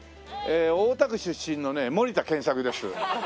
大田区出身のね森田健作です。